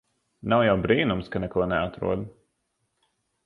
Nav jau brīnums ka neko neatrod.